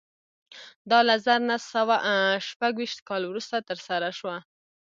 دا له زر نه سوه شپږ ویشت کال وروسته ترسره شوه